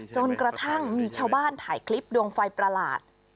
จนกระทั่งมีชาวบ้านถ่ายคลิปดวงไฟประหลาด